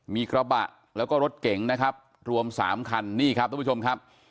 มีกระบะแล้วก็รถเก๋งนะครับรวมสามคันนี่ครับทุกผู้ชมครับ